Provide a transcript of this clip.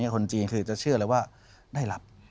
คนจีนคือจะเชื่อเลยว่าได้รับ